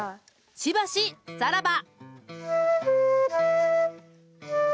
しばしさらば。